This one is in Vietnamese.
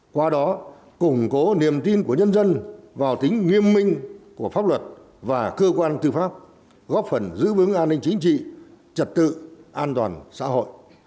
qua đó củng cố niềm tin của nhân dân vào tính nghiêm minh của pháp luật và cơ quan tư pháp góp phần giữ vững an ninh chính trị trật tự an toàn xã hội